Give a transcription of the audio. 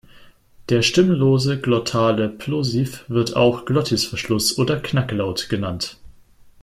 Der stimmlose glottale Plosiv wird auch Glottisverschluss oder Knacklaut genannt.